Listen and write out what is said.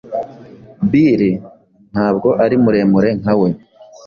Bill ntabwo ari muremure nkawe